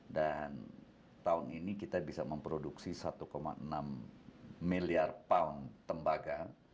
dan tahun ini kita bisa memproduksi satu enam miliar pound tembaga